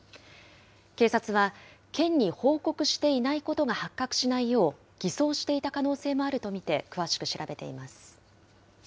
警察は、県に報告していないことが発覚しないよう、偽装していた可能性もあると見て、詳しく調べています。